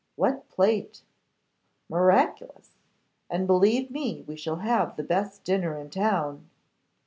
'What plate!' 'Miraculous!' 'And, believe me, we shall have the best dinner in town.